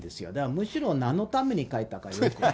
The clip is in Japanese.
むしろなんのために書いたかよく分からない。